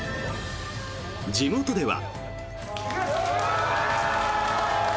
地元では。